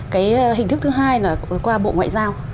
cái hình thức thứ hai là qua bộ ngoại giao